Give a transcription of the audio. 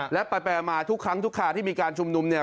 และไปมาทุกครั้งทุกคาที่มีการชุมนุมเนี่ย